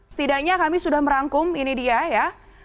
setidaknya kami sudah merangkum ini dia ya